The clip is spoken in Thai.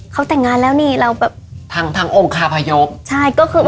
เขาแต่งงานแล้วนี่เราแบบ